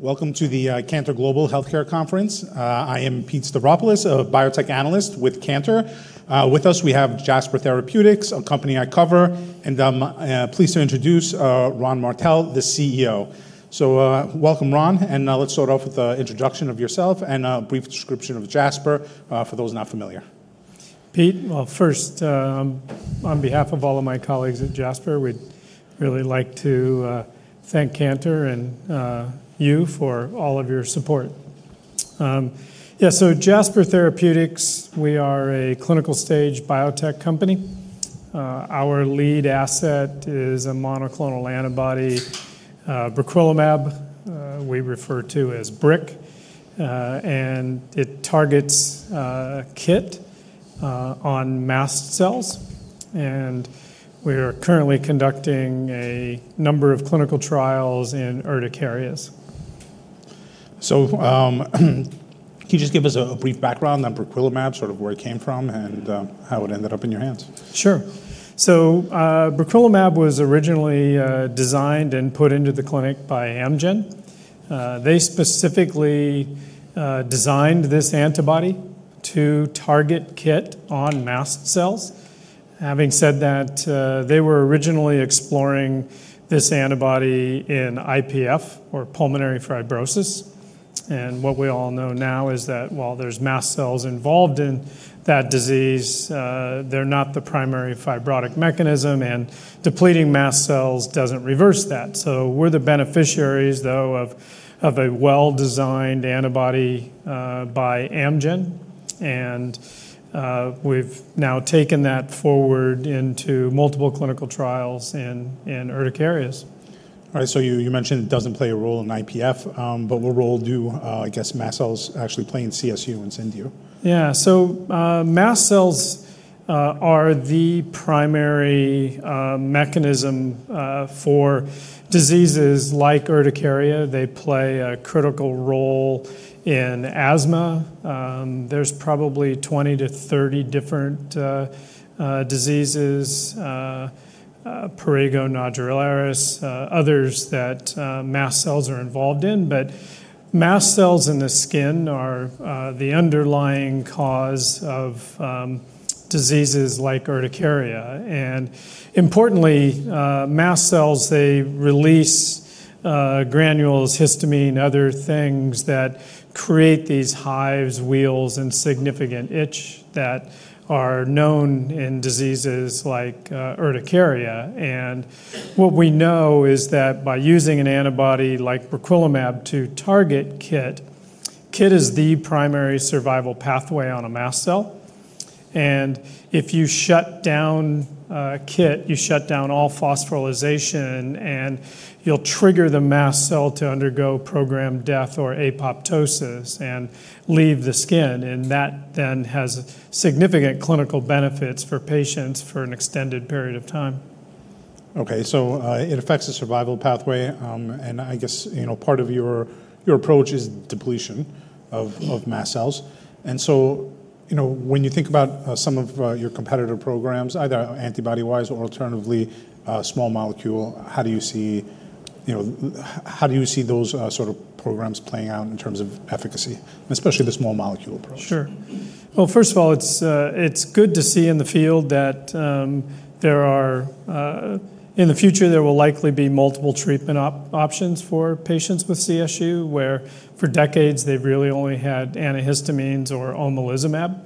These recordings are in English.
Welcome to the Cantor Global Healthcare Conference. I am Pete Stavropoulos, a biotech analyst with Cantor. With us, we have Jasper Therapeutics, a company I cover, and I'm pleased to introduce Ron Martell, the CEO, so welcome, Ron, and let's start off with an introduction of yourself and a brief description of Jasper for those not familiar. Pete, well, first, on behalf of all of my colleagues at Jasper, we'd really like to thank Cantor and you for all of your support. Yeah, so Jasper Therapeutics, we are a clinical-stage biotech company. Our lead asset is a monoclonal antibody, briquilimab, we refer to as BRQ, and it targets KIT on mast cells, and we are currently conducting a number of clinical trials in urticarias. Can you just give us a brief background on briquilimab, sort of where it came from and how it ended up in your hands? Sure. So briquilimab was originally designed and put into the clinic by Amgen. They specifically designed this antibody to target KIT on mast cells. Having said that, they were originally exploring this antibody in IPF, or pulmonary fibrosis. And what we all know now is that while there are mast cells involved in that disease, they're not the primary fibrotic mechanism, and depleting mast cells doesn't reverse that. So we're the beneficiaries, though, of a well-designed antibody by Amgen, and we've now taken that forward into multiple clinical trials in urticarias. All right, so you mentioned it doesn't play a role in IPF, but what role do, I guess, mast cells actually play in CSU and CIndU? Yeah, so mast cells are the primary mechanism for diseases like urticaria. They play a critical role in asthma. There's probably 20 to 30 different diseases, prurigo nodularis, others that mast cells are involved in. But mast cells in the skin are the underlying cause of diseases like urticaria. And importantly, mast cells, they release granules, histamine, other things that create these hives, wheals, and significant itch that are known in diseases like urticaria. And what we know is that by using an antibody like briquilimab to target KIT, KIT is the primary survival pathway on a mast cell. And if you shut down KIT, you shut down all phosphorylation, and you'll trigger the mast cell to undergo programmed death or apoptosis and leave the skin. And that then has significant clinical benefits for patients for an extended period of time. Okay, so it affects the survival pathway, and I guess, you know, part of your approach is depletion of mast cells. And so, you know, when you think about some of your competitor programs, either antibody-wise or alternatively small molecule, how do you see, you know, how do you see those sort of programs playing out in terms of efficacy, especially the small molecule approach? Sure. Well, first of all, it's good to see in the field that there are, in the future, there will likely be multiple treatment options for patients with CSU, where for decades they've really only had antihistamines or omalizumab.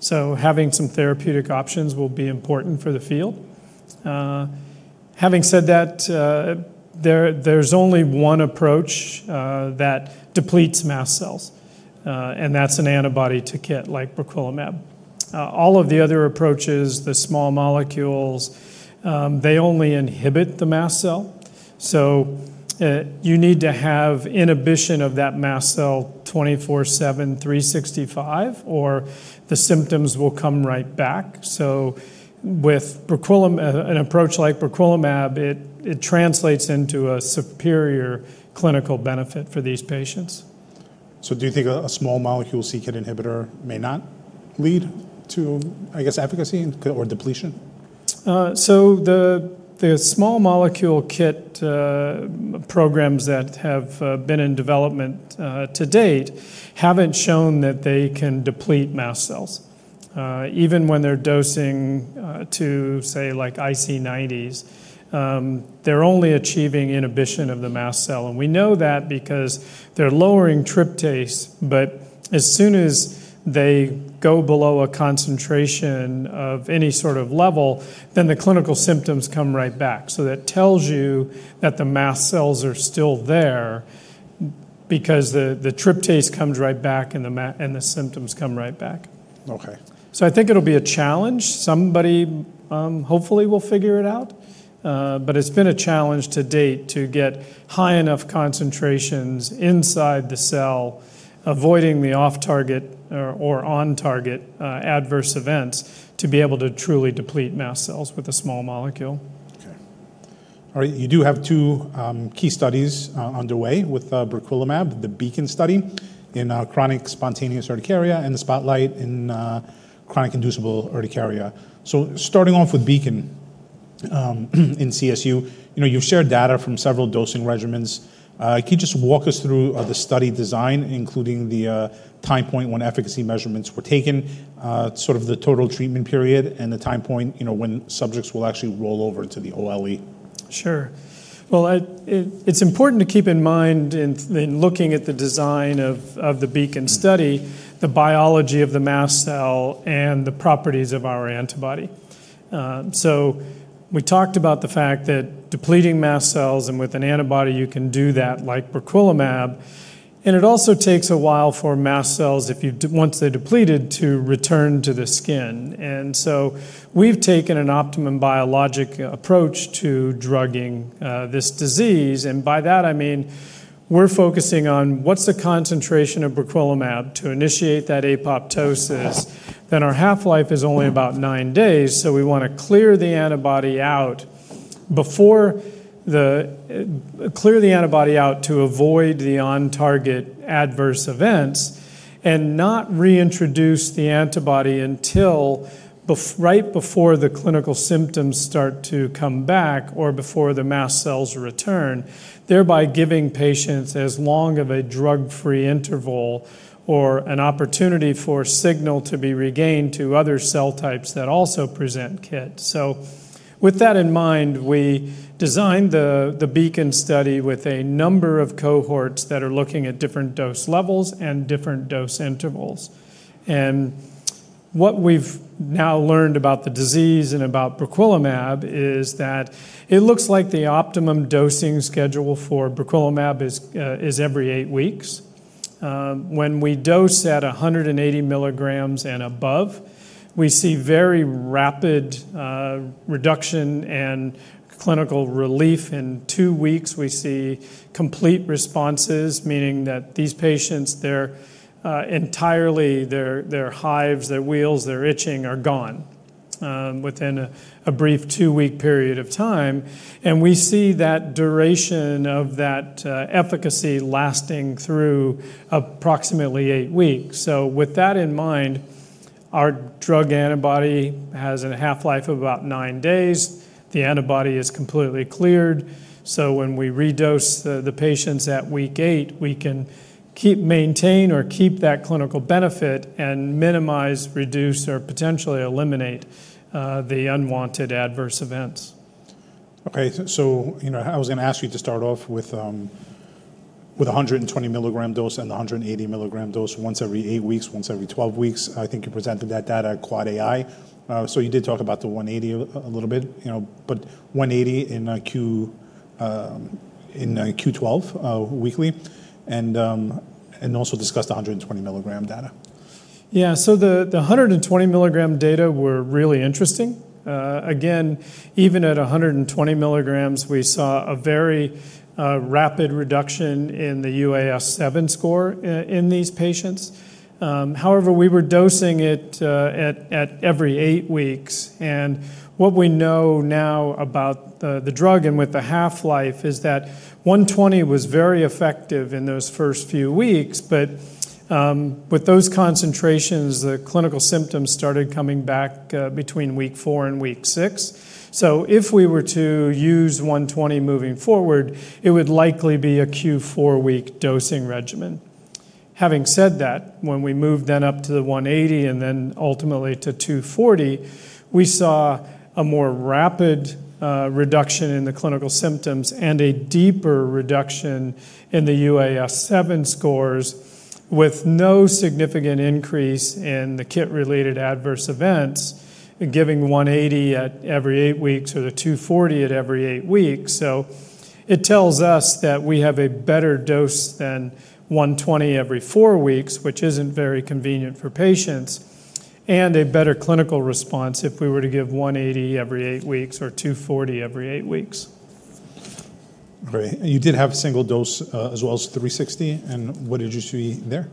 So having some therapeutic options will be important for the field. Having said that, there's only one approach that depletes mast cells, and that's an antibody to KIT, like briquilimab. All of the other approaches, the small molecules, they only inhibit the mast cell. So you need to have inhibition of that mast cell 24/7, 365, or the symptoms will come right back. So with an approach like briquilimab, it translates into a superior clinical benefit for these patients. So do you think a small molecule c-KIT inhibitor may not lead to, I guess, efficacy or depletion? So the small molecule KIT programs that have been in development to date haven't shown that they can deplete mast cells. Even when they're dosing to, say, like IC90s, they're only achieving inhibition of the mast cell. And we know that because they're lowering tryptase, but as soon as they go below a concentration of any sort of level, then the clinical symptoms come right back. So that tells you that the mast cells are still there because the tryptase comes right back and the symptoms come right back. Okay. So I think it'll be a challenge. Somebody hopefully will figure it out. But it's been a challenge to date to get high enough concentrations inside the cell, avoiding the off-target or on-target adverse events to be able to truly deplete mast cells with a small molecule. Okay. All right, you do have two key studies underway with briquilimab, the BEACON study in chronic spontaneous urticaria and the SPOTLIGHT in chronic inducible urticaria. So starting off with BEACON in CSU, you know, you've shared data from several dosing regimens. Can you just walk us through the study design, including the time point when efficacy measurements were taken, sort of the total treatment period and the time point, you know, when subjects will actually roll over to the OLE? Sure. Well, it's important to keep in mind in looking at the design of the BEACON study, the biology of the mast cell and the properties of our antibody. So we talked about the fact that depleting mast cells and with an antibody you can do that like briquilimab, and it also takes a while for mast cells, once they're depleted, to return to the skin. And so we've taken an optimum biologic approach to drugging this disease. And by that, I mean we're focusing on what's the concentration of briquilimab to initiate that apoptosis. Our half-life is only about nine days, so we want to clear the antibody out, clear the antibody out to avoid the on-target adverse events and not reintroduce the antibody until right before the clinical symptoms start to come back or before the mast cells return, thereby giving patients as long of a drug-free interval or an opportunity for signal to be regained to other cell types that also present KIT. With that in mind, we designed the BEACON study with a number of cohorts that are looking at different dose levels and different dose intervals. What we've now learned about the disease and about briquilimab is that it looks like the optimum dosing schedule for briquilimab is every eight weeks. When we dose at 180 milligrams and above, we see very rapid reduction and clinical relief. In two weeks, we see complete responses, meaning that these patients, they're entirely, their hives, their wheals, their itching are gone within a brief two-week period of time. And we see that duration of that efficacy lasting through approximately eight weeks. So with that in mind, our drug antibody has a half-life of about nine days. The antibody is completely cleared. So when we redose the patients at week eight, we can maintain or keep that clinical benefit and minimize, reduce, or potentially eliminate the unwanted adverse events. Okay, so you know, I was going to ask you to start off with a 120 milligram dose and the 180 milligram dose once every eight weeks, once every 12 weeks. I think you presented that data at Quad AI. So you did talk about the 180 a little bit, you know, but 180 in Q12 weekly, and also discussed the 120 milligram data. Yeah, so the 120 milligram data were really interesting. Again, even at 120 milligrams, we saw a very rapid reduction in the UAS7 score in these patients. However, we were dosing it at every eight weeks, and what we know now about the drug and with the half-life is that 120 was very effective in those first few weeks, but with those concentrations, the clinical symptoms started coming back between week four and week six, so if we were to use 120 moving forward, it would likely be a Q4 week dosing regimen. Having said that, when we moved then up to the 180 and then ultimately to 240, we saw a more rapid reduction in the clinical symptoms and a deeper reduction in the UAS7 scores, with no significant increase in the KIT-related adverse events, giving 180 at every eight weeks or the 240 at every eight weeks. It tells us that we have a better dose than 120 every four weeks, which isn't very convenient for patients, and a better clinical response if we were to give 180 every eight weeks or 240 every eight weeks. Great. You did have a single dose as well as 360, and what did you see there?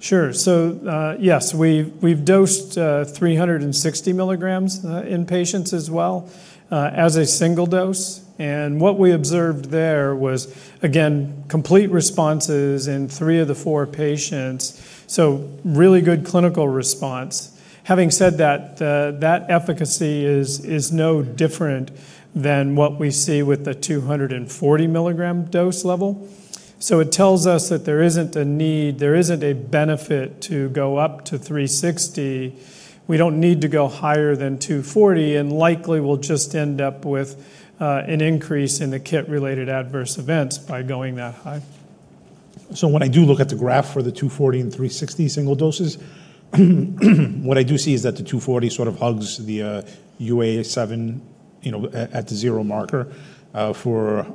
Sure, so yes, we've dosed 360 milligrams in patients as well as a single dose, and what we observed there was, again, complete responses in three of the four patients, so really good clinical response. Having said that, that efficacy is no different than what we see with the 240 milligram dose level, so it tells us that there isn't a need, there isn't a benefit to go up to 360. We don't need to go higher than 240, and likely we'll just end up with an increase in the KIT-related adverse events by going that high. So when I do look at the graph for the 240 and 360 single doses, what I do see is that the 240 sort of hugs the UAS7, you know, at the zero marker for,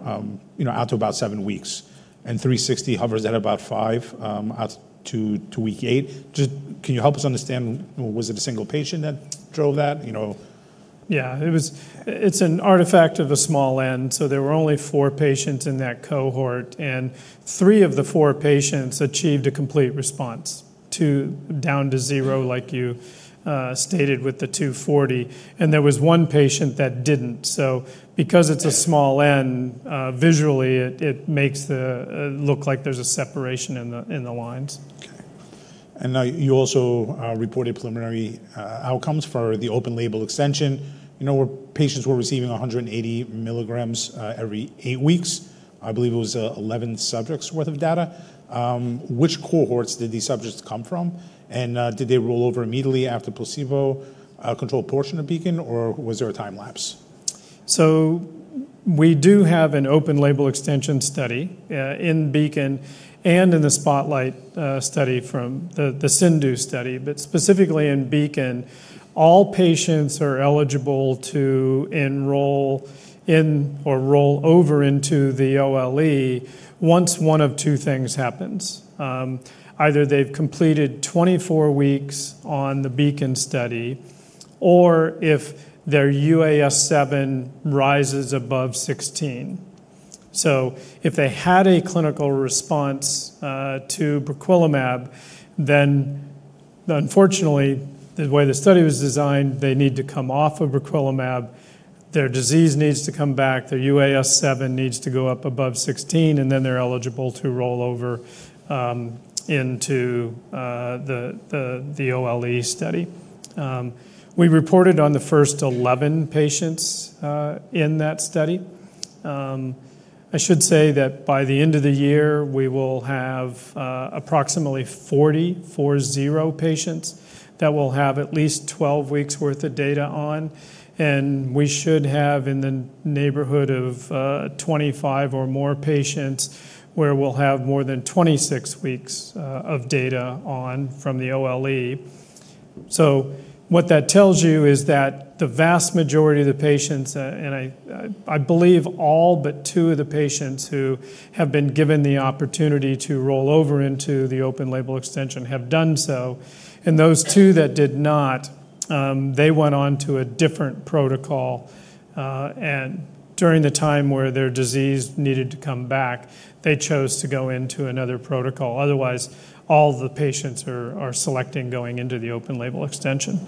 you know, out to about seven weeks, and 360 hovers at about five out to week eight. Just, can you help us understand, was it a single patient that drove that, you know? Yeah, it was. It's an artifact of a small n. So there were only four patients in that cohort, and three of the four patients achieved a complete response down to zero, like you stated with the 240. And there was one patient that didn't. So because it's a small n, visually it makes it look like there's a separation in the lines. Okay. And now you also reported preliminary outcomes for the open label extension. You know, where patients were receiving 180 milligrams every eight weeks, I believe it was 11 subjects' worth of data. Which cohorts did these subjects come from, and did they roll over immediately after placebo, controlled portion of BEACON, or was there a time lapse? So we do have an open label extension study in BEACON and in the SPOTLIGHT study from the CIndU study, but specifically in BEACON, all patients are eligible to enroll in or roll over into the OLE once one of two things happens. Either they've completed 24 weeks on the BEACON study, or if their UAS7 rises above 16. So if they had a clinical response to briquilimab, then unfortunately, the way the study was designed, they need to come off of briquilimab, their disease needs to come back, their UAS7 needs to go up above 16, and then they're eligible to roll over into the OLE study. We reported on the first 11 patients in that study. I should say that by the end of the year, we will have approximately 40 patients that will have at least 12 weeks' worth of data on, and we should have in the neighborhood of 25 or more patients where we'll have more than 26 weeks of data on from the OLE, so what that tells you is that the vast majority of the patients, and I believe all but two of the patients who have been given the opportunity to roll over into the open label extension have done so, and those two that did not, they went on to a different protocol, and during the time where their disease needed to come back, they chose to go into another protocol. Otherwise, all the patients are selecting going into the open label extension.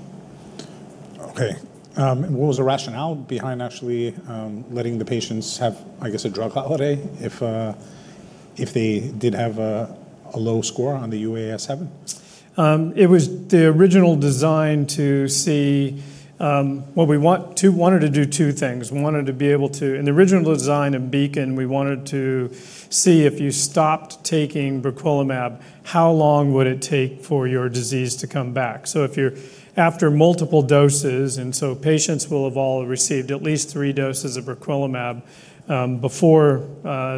Okay, and what was the rationale behind actually letting the patients have, I guess, a drug holiday if they did have a low score on the UAS7? It was the original design to see what we wanted to do two things. We wanted to be able to, in the original design of BEACON, we wanted to see if you stopped taking briquilimab, how long would it take for your disease to come back? So if you're after multiple doses, and so patients will have all received at least three doses of briquilimab before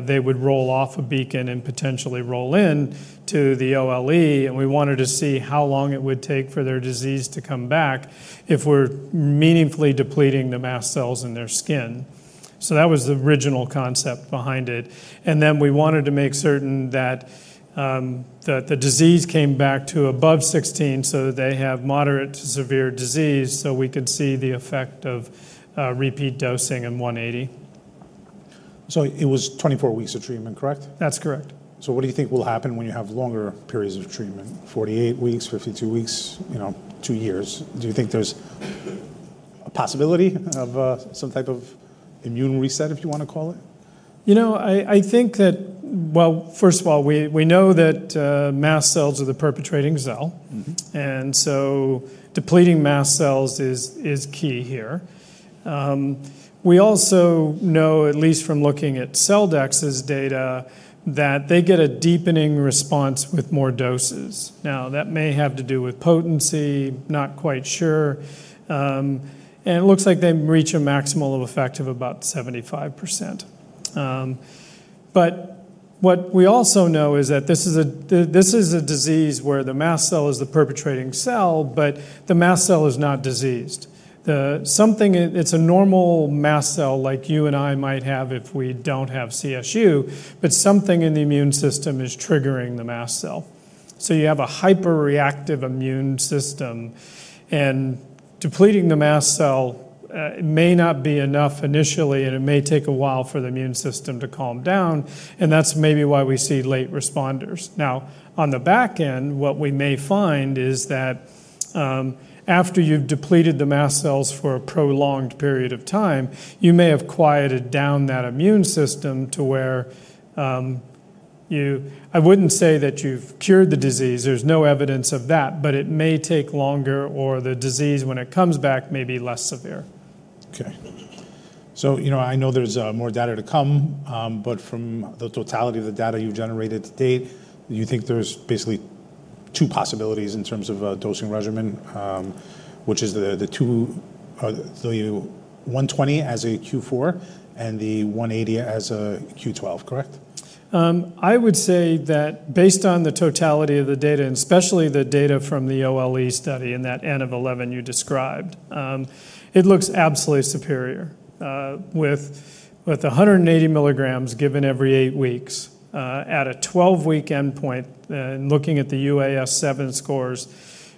they would roll off of BEACON and potentially roll into the OLE. And we wanted to see how long it would take for their disease to come back if we're meaningfully depleting the mast cells in their skin. So that was the original concept behind it. And then we wanted to make certain that the disease came back to above 16 so that they have moderate to severe disease so we could see the effect of repeat dosing in 180. So it was 24 weeks of treatment, correct? That's correct. So what do you think will happen when you have longer periods of treatment, 48 weeks, 52 weeks, you know, two years? Do you think there's a possibility of some type of immune reset, if you want to call it? You know, I think that, well, first of all, we know that mast cells are the perpetuating cell, and so depleting mast cells is key here. We also know, at least from looking at Celldex's data, that they get a deepening response with more doses. Now, that may have to do with potency, not quite sure, and it looks like they reach a maximal effect of about 75%. But what we also know is that this is a disease where the mast cell is the perpetuating cell, but the mast cell is not diseased. It's a normal mast cell like you and I might have if we don't have CSU, but something in the immune system is triggering the mast cell. So you have a hyperreactive immune system, and depleting the mast cell may not be enough initially, and it may take a while for the immune system to calm down, and that's maybe why we see late responders. Now, on the back end, what we may find is that after you've depleted the mast cells for a prolonged period of time, you may have quieted down that immune system to where you, I wouldn't say that you've cured the disease, there's no evidence of that, but it may take longer or the disease, when it comes back, may be less severe. Okay, so you know, I know there's more data to come, but from the totality of the data you've generated to date, you think there's basically two possibilities in terms of a dosing regimen, which is the 120 as a Q4 and the 180 as a Q12, correct? I would say that based on the totality of the data, and especially the data from the OLE study in that N of 11 you described, it looks absolutely superior. With 180 milligrams given every eight weeks, at a 12-week endpoint, and looking at the UAS7 scores,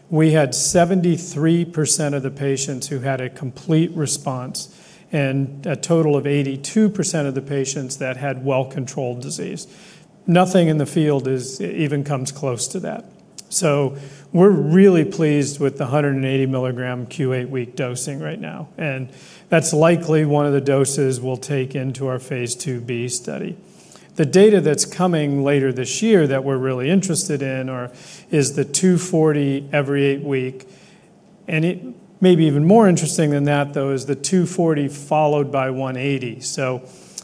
we had 73% of the patients who had a complete response and a total of 82% of the patients that had well-controlled disease. Nothing in the field even comes close to that. So we're really pleased with the 180 milligram Q8 week dosing right now, and that's likely one of the doses we'll take into our phase 2b study. The data that's coming later this year that we're really interested in is the 240 every eight weeks, and it may be even more interesting than that, though, is the 240 followed by 180. So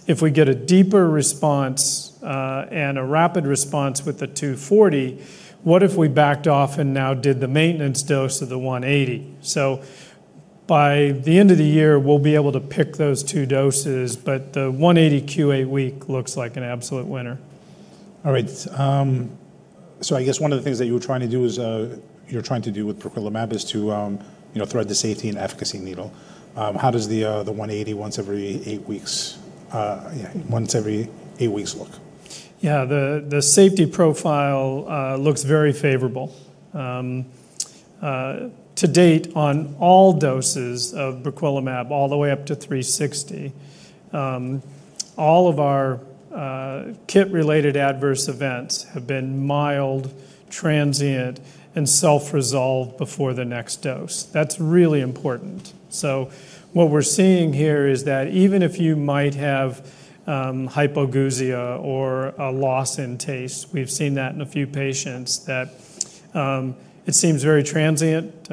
if we get a deeper response and a rapid response with the 240, what if we backed off and now did the maintenance dose of the 180? So by the end of the year, we'll be able to pick those two doses, but the 180 Q8 week looks like an absolute winner. All right. So I guess one of the things that you were trying to do is, you're trying to do with briquilimab is to, you know, thread the safety and efficacy needle. How does the 180 once every eight weeks, once every eight weeks look? Yeah, the safety profile looks very favorable. To date, on all doses of briquilimab, all the way up to 360, all of our KIT-related adverse events have been mild, transient, and self-resolved before the next dose. That's really important. So what we're seeing here is that even if you might have hypogeusia or a loss in taste, we've seen that in a few patients that it seems very transient,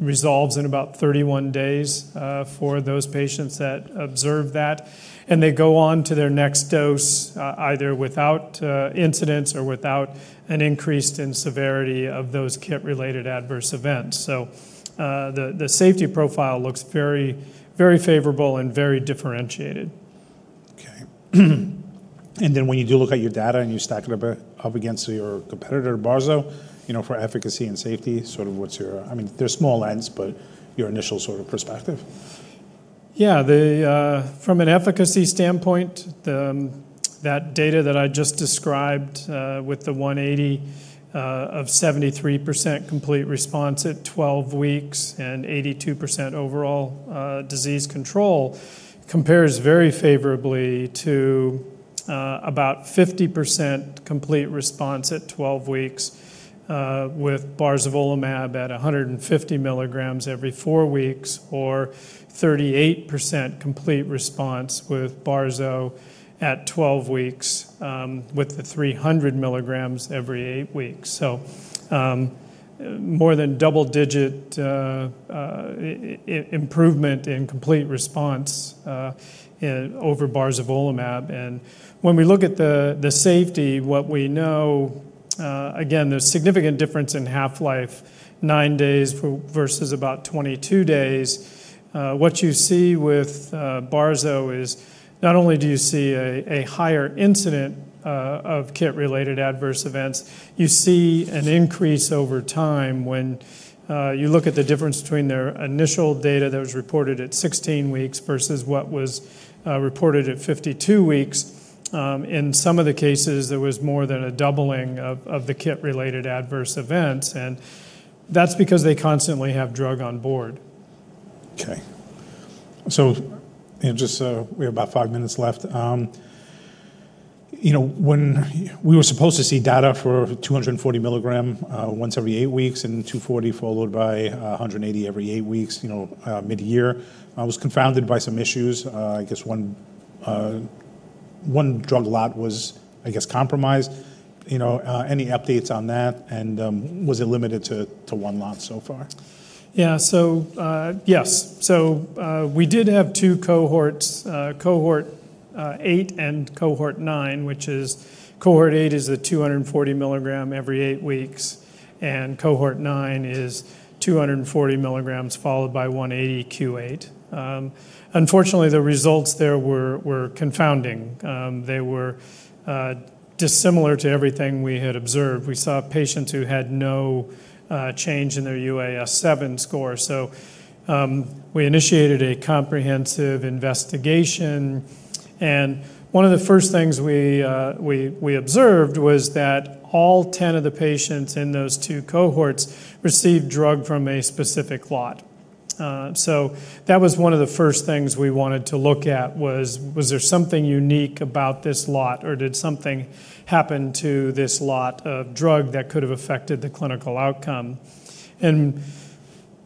resolves in about 31 days for those patients that observe that, and they go on to their next dose either without incidence or without an increase in severity of those KIT-related adverse events. So the safety profile looks very, very favorable and very differentiated. Okay. Then when you do look at your data and you stack it up against your competitor, Barzo, you know, for efficacy and safety, sort of what's your, I mean, they're small n's, but your initial sort of perspective? Yeah, from an efficacy standpoint, that data that I just described with the 180 mg of 73% complete response at 12 weeks and 82% overall disease control compares very favorably to about 50% complete response at 12 weeks with barzolvolimab at 150 milligrams every four weeks or 38% complete response with Barzo at 12 weeks with the 300 milligrams every eight weeks. So more than double-digit improvement in complete response over barzolvolimab. And when we look at the safety, what we know, again, there's significant difference in half-life, nine days versus about 22 days. What you see with Barzo is not only do you see a higher incidence of KIT-related adverse events, you see an increase over time when you look at the difference between their initial data that was reported at 16 weeks versus what was reported at 52 weeks. In some of the cases, there was more than a doubling of the KIT-related adverse events, and that's because they constantly have drug on board. Okay. So just we have about five minutes left. You know, when we were supposed to see data for 240 milligram once every eight weeks and 240 followed by 180 every eight weeks, you know, mid-year, I was confounded by some issues. I guess one drug lot was, I guess, compromised. You know, any updates on that, and was it limited to one lot so far? Yeah, so yes. So we did have two cohorts, cohort eight and cohort nine, which is cohort eight is the 240 milligram every eight weeks, and cohort nine is 240 milligrams followed by 180 Q8. Unfortunately, the results there were confounding. They were dissimilar to everything we had observed. We saw patients who had no change in their UAS7 score. So we initiated a comprehensive investigation, and one of the first things we observed was that all 10 of the patients in those two cohorts received drug from a specific lot. So that was one of the first things we wanted to look at was there something unique about this lot, or did something happen to this lot of drug that could have affected the clinical outcome? And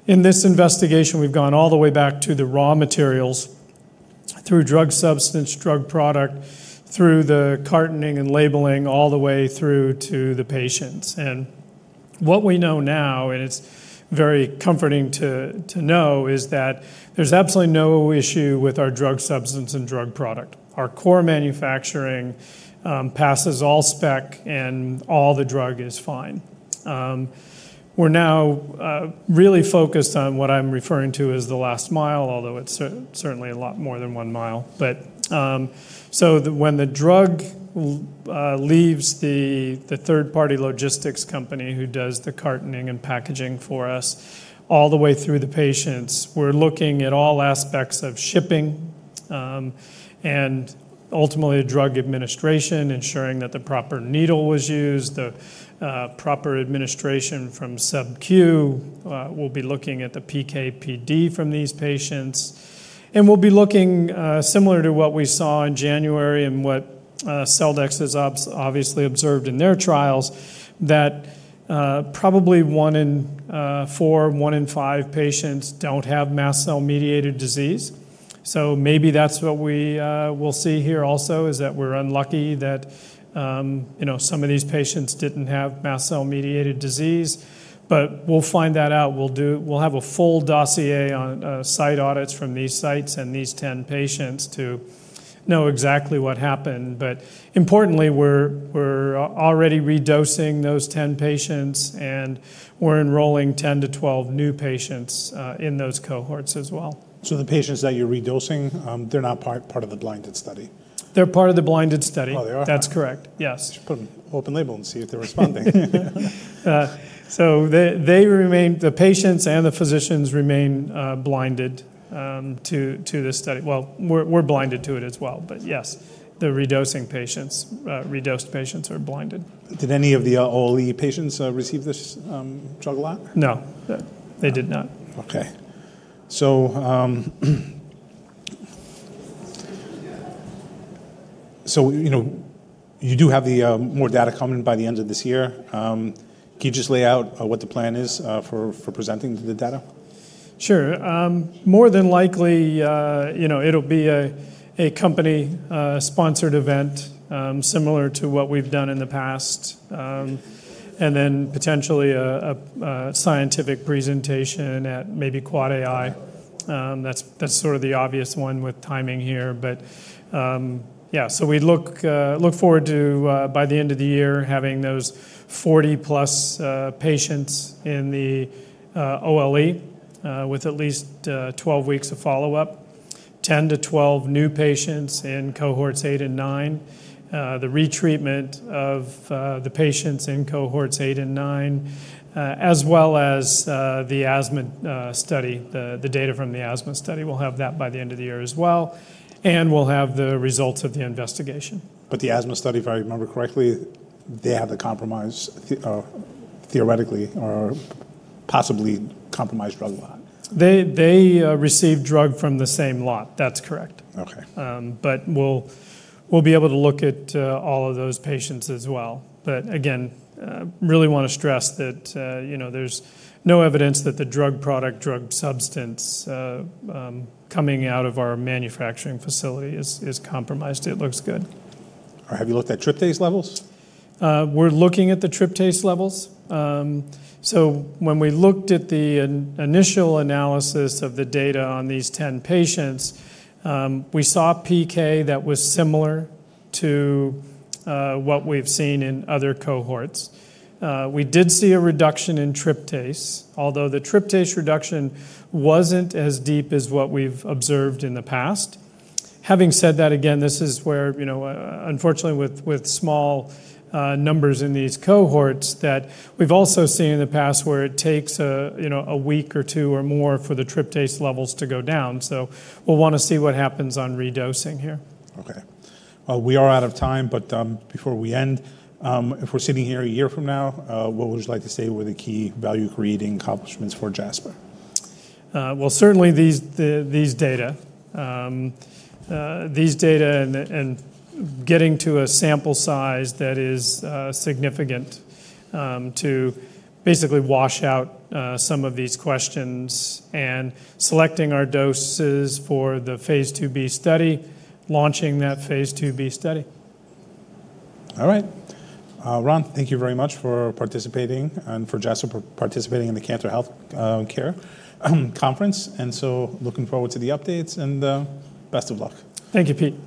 in this investigation, we've gone all the way back to the raw materials through drug substance, drug product, through the cartoning and labeling, all the way through to the patients. And what we know now, and it's very comforting to know, is that there's absolutely no issue with our drug substance and drug product. Our core manufacturing passes all spec, and all the drug is fine. We're now really focused on what I'm referring to as the last mile, although it's certainly a lot more than one mile. But so when the drug leaves the third-party logistics company who does the cartoning and packaging for us, all the way through the patients, we're looking at all aspects of shipping and ultimately drug administration, ensuring that the proper needle was used, the proper administration from sub-Q. We'll be looking at the PKPD from these patients, and we'll be looking similar to what we saw in January and what Celldex has obviously observed in their trials, that probably one in four, one in five patients don't have mast cell mediated disease. So maybe that's what we will see here also is that we're unlucky that, you know, some of these patients didn't have mast cell mediated disease, but we'll find that out. We'll have a full dossier on site audits from these sites and these 10 patients to know exactly what happened. But importantly, we're already redosing those 10 patients, and we're enrolling 10-12 new patients in those cohorts as well. So the patients that you're redosing, they're not part of the blinded study? They're part of the blinded study. Oh, they are? That's correct. Yes. Just put an open label and see if they're responding. So they remain, the patients and the physicians remain blinded to this study. Well, we're blinded to it as well, but yes, the redosing patients, redosed patients are blinded. Did any of the OLE patients receive this drug lot? No, they did not. Okay, so you know, you do have more data coming by the end of this year. Can you just lay out what the plan is for presenting the data? Sure. More than likely, you know, it'll be a company-sponsored event similar to what we've done in the past, and then potentially a scientific presentation at maybe Quad AI. That's sort of the obvious one with timing here, but yeah, so we look forward to, by the end of the year, having those 40 plus patients in the OLE with at least 12 weeks of follow-up, 10-12 new patients in cohorts eight and nine, the retreatment of the patients in cohorts eight and nine, as well as the asthma study, the data from the asthma study. We'll have that by the end of the year as well, and we'll have the results of the investigation. But the asthma study, if I remember correctly, they have the compromised, theoretically or possibly compromised drug lot? They received drug from the same lot. That's correct. Okay. But we'll be able to look at all of those patients as well. But again, really want to stress that, you know, there's no evidence that the drug product, drug substance coming out of our manufacturing facility is compromised. It looks good. All right. Have you looked at tryptase levels? We're looking at the tryptase levels. So when we looked at the initial analysis of the data on these 10 patients, we saw PK that was similar to what we've seen in other cohorts. We did see a reduction in tryptase, although the tryptase reduction wasn't as deep as what we've observed in the past. Having said that, again, this is where, you know, unfortunately with small numbers in these cohorts that we've also seen in the past where it takes, you know, a week or two or more for the tryptase levels to go down. So we'll want to see what happens on redosing here. Okay, well, we are out of time, but before we end, if we're sitting here a year from now, what would you like to say were the key value-creating accomplishments for Jasper? Certainly these data, these data, and getting to a sample size that is significant to basically wash out some of these questions and selecting our doses for the phase 2b study, launching that phase 2b study. All right. Ron, thank you very much for participating and for Jasper participating in the Cantor Healthcare Conference, and so looking forward to the updates and best of luck. Thank you, Pete.